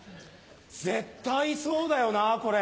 絶対そうだよなこれ。